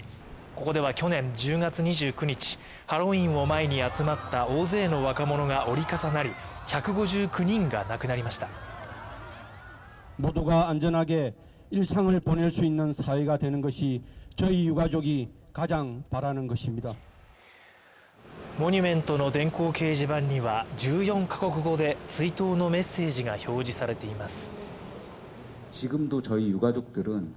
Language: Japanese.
ここでは去年１０月２９日ハロウィーンを前に集まった大勢の若者が折り重なり１５９人が亡くなりましたモニュメントの電光掲示板には１４か国語で追悼のメッセージが表示されています